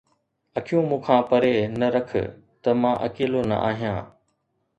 اکيون مون کان پري نه رک ته مان اڪيلو نه آهيان